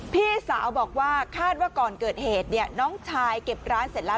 พี่สาวบอกว่าคาดว่าก่อนเกิดเหตุเนี่ยน้องชายเก็บร้านเสร็จแล้ว